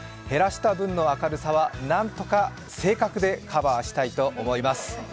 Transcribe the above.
減らした分の明るさは、何とか性格でカバーしたいと思います。